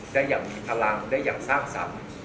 ได้อย่างมีพลังได้อย่างสร้างสรรค์